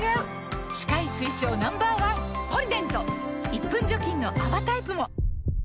１分除菌の泡タイプも！